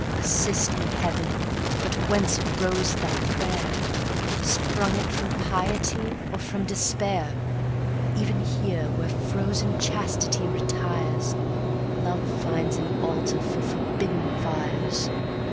Assist me, Heaven! but whence arose that prayer? Sprung it from piety, or from despair? 180 Even here, where frozen chastity retires, Love finds an altar for forbidden fires.